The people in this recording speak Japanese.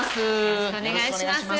よろしくお願いします。